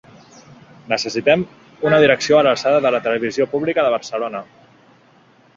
Necessitem una direcció a l’alçada de la televisió pública de Barcelona!